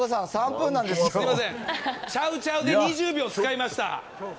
すみません、チャウチャウで２０秒使いました。